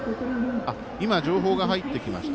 今、情報が入ってきました。